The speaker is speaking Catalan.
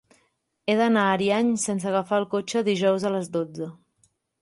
He d'anar a Ariany sense agafar el cotxe dijous a les dotze.